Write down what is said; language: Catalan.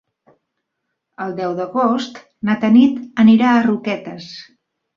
El deu d'agost na Tanit anirà a Roquetes.